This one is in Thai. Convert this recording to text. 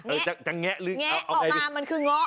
เออแง๊ออมามันคือง๋อ